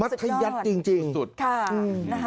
มัดทะเย็ดจริงสุดค่ะนะคะสุดยอด